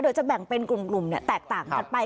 จะแบ่งเป็นกลุ่มแตกต่างกันไป